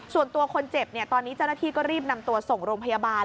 ส่วนตัวคนเจ็บตอนนี้เจ้าหน้าที่ก็รีบนำตัวส่งโรงพยาบาล